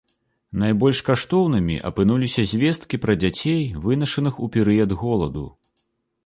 Найбольш каштоўнымі апынуліся звесткі пра дзяцей, вынашаных у перыяд голаду.